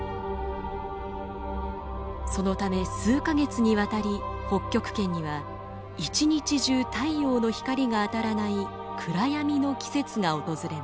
そのため数か月にわたり北極圏には一日中太陽の光が当たらない暗闇の季節が訪れます。